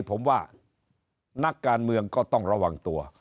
ผมว่านักการเมืองก็ต้องระวังตัว